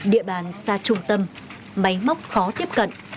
địa bàn xa trung tâm máy móc khó tiếp cận